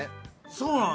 そうなの。